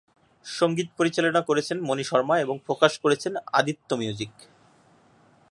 সঙ্গীত পরিচালনা করেছেন মণি শর্মা এবং প্রকাশ করেছে আদিত্য মিউজিক।